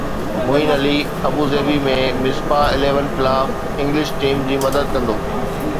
معين Ali Abu Dhabi ۾ Misbah eleven خلاف English team جي مدد ڪندو